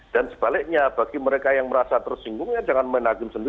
dan sebaliknya bagi mereka yang merasa tersinggungnya jangan main hakim sendiri